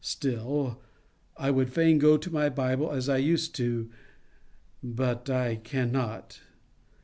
Still, I would fain go to my Bible as I used to — but I can not.